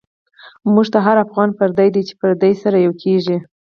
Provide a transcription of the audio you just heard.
مونږ ته هر افغان پردۍ دۍ، چی پردی سره یو کیږی